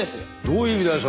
どういう意味だよ？